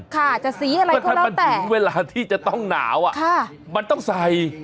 ข้ามันถึงเวลาที่จะต้องหนาวอะมันต้องใส่